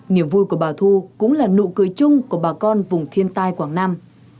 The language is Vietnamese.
niềm vui của bà thu cũng là nụ cười chung của bà con vùng thiên tai quảng nam